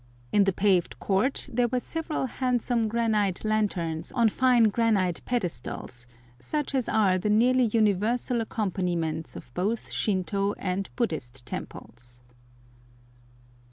In the paved court there were several handsome granite lanterns on fine granite pedestals, such as are the nearly universal accompaniments of both Shintô and Buddhist temples.